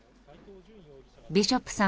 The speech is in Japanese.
ビショップさん